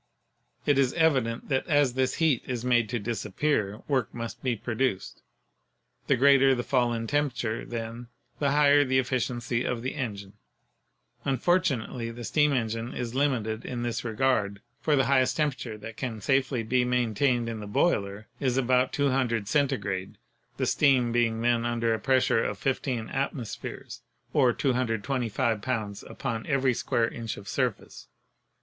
It is evident that as this heat is made to disappear, work must be produced. The greater the fall in temperature, then, the higher the efficiency of the engine. Unfortunately the steam engine is limited in this — Principle of the Turbine. regard, for the highest temperature that can safely be maintained in the boiler is about 200 Centigrade, the steam being then under a pressure of 15 atmospheres, or 225 pounds upon every square inch of surface.